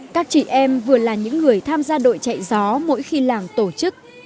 các chị em vừa là những người tham gia đội chạy gió mỗi khi làng tổ chức